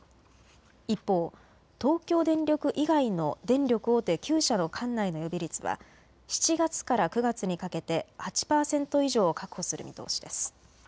一方、東京電力以外の電力大手９社の管内の予備率は７月から９月にかけて８％以上を確保する見通しです。